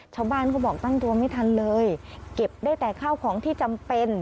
ชาวบ้านเขาบอกตั้งตัวไม่ทันเลยเก็บได้แต่ข้าวของที่จำเป็น